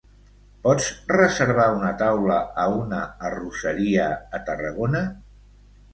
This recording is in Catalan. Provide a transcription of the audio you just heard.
Pots reservar una taula a una arrosseria a Tarragona?